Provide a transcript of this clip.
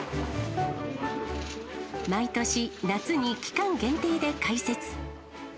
毎年夏に期間限定で開設。